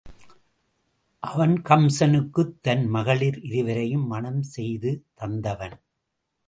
அவன் கம்சனுக்குத் தன் மகளிர் இருவரை மணம் செய்து தந்தவன்.